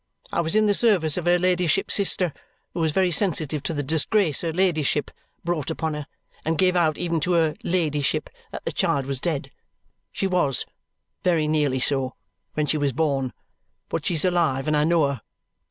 I was in the service of her ladyship's sister, who was very sensitive to the disgrace her ladyship brought upon her, and gave out, even to her ladyship, that the child was dead she WAS very nearly so when she was born. But she's alive, and I know her."